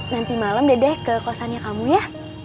nanti malam dede ke kosannya kamu ya